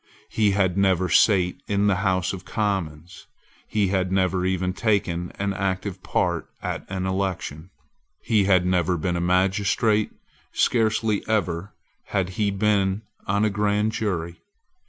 He had never sate in the House of Commons: he had never even taken an active part at an election: he had never been a magistrate: scarcely ever had he been on a grand jury.